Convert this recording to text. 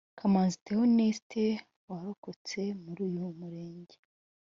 Kamanzi Theoneste warokokeye muri uyu murenge